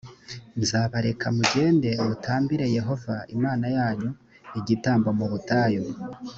nzabareka mugende mutambire yehova imana yanyu igitambo mu butayu